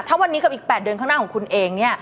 ถ้าวันนี้กับอีก๘เดือนข้างหน้าของคุณเองเนี่ย